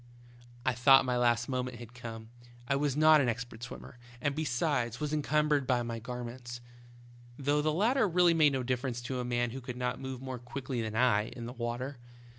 " I thought my last moment had come, as I was not an expert swimmer, and bevsides was incum bered with my garments, though the latter really made no difference to a man who could not move more quickly than I in the water.